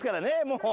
もう。